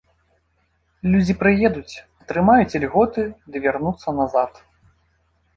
Людзі прыедуць, атрымаюць ільготы ды вярнуцца назад.